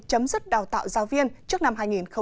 chấm dứt đào tạo giáo viên trước năm hai nghìn hai mươi